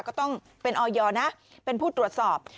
ก็ต้องเป็นออยนะเป็นผู้ตรวจสอบ